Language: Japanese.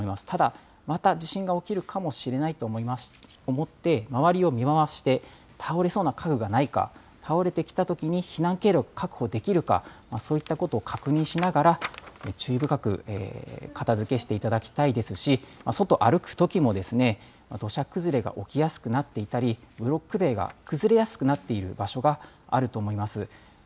ただ、また地震が起きるかもしれないと思って、周りを見回して、倒れそうな家具がないか、倒れてきたときに避難経路が確保できるか、そういったことを確認しながら、注意深く片づけしていただきたいですし、外歩くときもですね、土砂崩れが起きやすくなっていたり、ブロック塀が崩れやすくなっている場所があると思います。